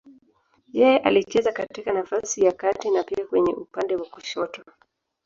Yeye alicheza katika nafasi ya kati na pia kwenye upande wa kushoto.